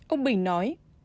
ông bình nói